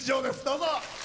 どうぞ。